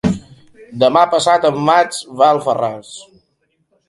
Demà passat en Max va a Alfarràs.